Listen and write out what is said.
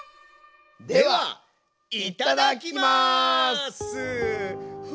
ではいただきます！